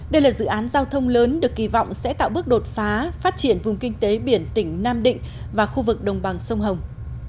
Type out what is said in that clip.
đây là dự án giao thông lớn được kỳ vọng sẽ tạo bước đột phá phát triển vùng kinh tế biển tỉnh nam định và khu vực đồng bằng sông hồng